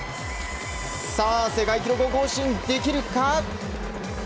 世界記録を更新できるか？